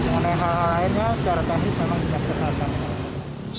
yang lain lainnya secara tahan memang di naskah kata